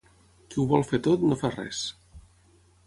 Qui ho vol fer tot, no fa res.